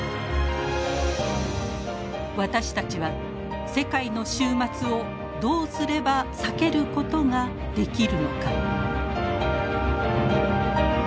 私たちは世界の終末をどうすれば避けることができるのか。